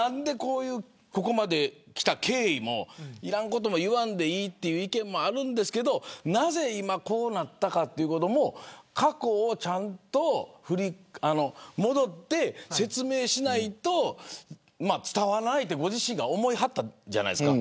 ここまできた経緯もいらんことを言わんでいいという意見もありますがなぜ、こうなったかというのを過去に戻って説明しないと伝わらないとご自身が思いはったんじゃないですか。